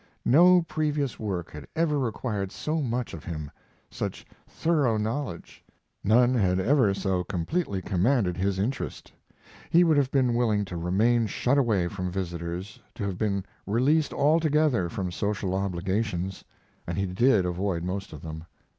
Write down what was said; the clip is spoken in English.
No previous work had ever required so much of him, such thorough knowledge; none had ever so completely commanded his interest. He would have been willing to remain shut away from visitors, to have been released altogether from social obligations; and he did avoid most of them.